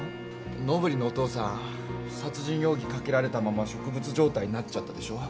のぶりんのお父さん殺人容疑かけられたまま植物状態になっちゃったでしょ？